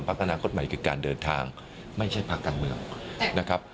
อนาคตใหม่คือการเดินทางไม่ใช่ภาคการเมืองนะครับ